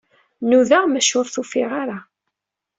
Nudaɣ, maca ur t-ufiɣ ara.